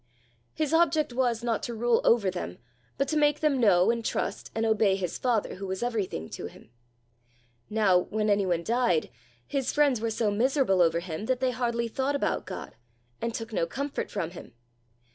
His object was, not to rule over them, but to make them know, and trust, and obey his Father, who was everything to him. Now when anyone died, his friends were so miserable over him that they hardly thought about God, and took no comfort from him.